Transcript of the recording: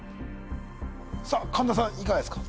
さぁ神田さんいかがですか？